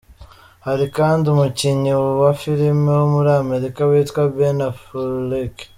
Hari kandi umukinnyi wa filime wo muri Amerika witwa Beni Afuleki.